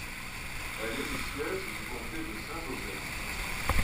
Elle est le siège du comté de Saint-Joseph.